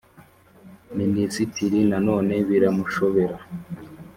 " minisitiri noneho biramushobera.